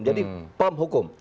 jadi pump hukum